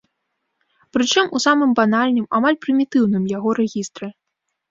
Прычым у самым банальным, амаль прымітыўным яго рэгістры.